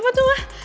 apa tuh mah